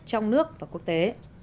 trong nước và quốc tế